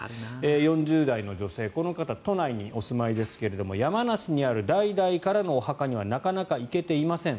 ４０代の女性、この方は都内にお住まいですが山梨にある代々のお墓にはなかなか行けていません。